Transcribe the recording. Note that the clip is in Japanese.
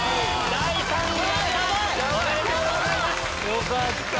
よかった。